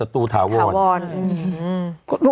ถูกต้องปะนะ